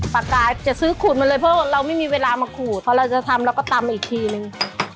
ปากกาจะซื้อขูดมาเลยเพราะว่าเราไม่มีเวลามาขูดพอเราจะทำเราก็ตำอีกทีนึง